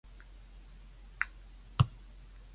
我都係做啲我熟悉嘅嘢